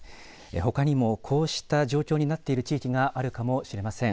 ほかにもこうした状況になっている地域があるかもしれません。